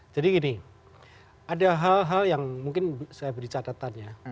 jadi gini ada hal hal yang mungkin saya beri catatannya